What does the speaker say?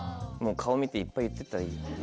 顔見ていっぱい言ってったらいい。